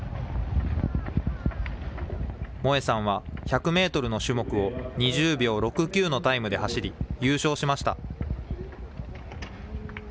萌恵さんは、１００メートルの種目を、２０秒６９のタイムで走り、優勝しました。